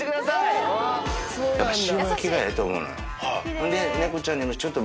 ほんで。